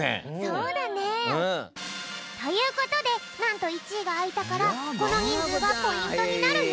そうだね！ということでなんと１いがあいたからこのにんずうがポイントになるよ！